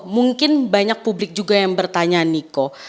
mungkin banyak publik juga yang bertanya niko